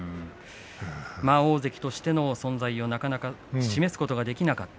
大関としての存在はなかなか示すことができなかった。